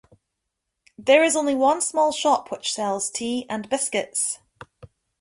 There is only one small shop which sells tea and biscuits.